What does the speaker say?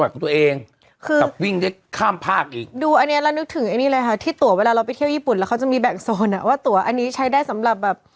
กับวิ่งได้ข้ามภาคอีกดูอันเนี้ยเรานึกถึงไอ้นี่เลยค่ะที่ตัวเวลาเราไปเที่ยวญี่ปุ่นแล้วเขาจะมีแบ่งโซนอ่ะว่าตัวอันนี้ใช้ได้สำหรับแบบ